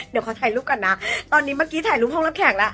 เดี๋ยวขอถ่ายรูปก่อนนะตอนนี้เมื่อกี้ถ่ายรูปห้องน้ำแข็งแล้ว